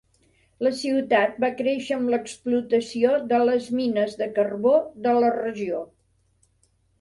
La ciutat va créixer amb l'explotació de les mines de carbó de la regió.